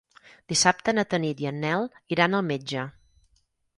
Dissabte na Tanit i en Nel iran al metge.